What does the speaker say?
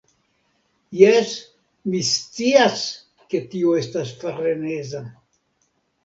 Jes, mi scias ke tio estas freneza